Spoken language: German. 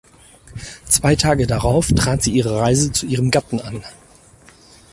Zwei Tage darauf trat sie ihre Reise zu ihrem Gatten an.